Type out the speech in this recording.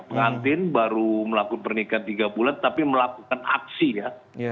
pengantin baru melakukan pernikahan tiga bulan tapi melakukan aksi ya